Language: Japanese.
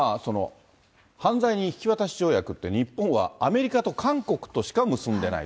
犯罪人引き渡し条約って、日本はアメリカと韓国としか結んでないと。